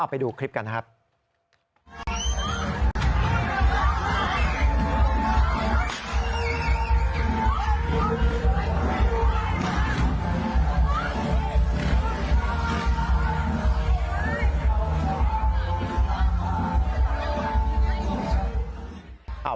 ไปดูคลิปกันนะครับ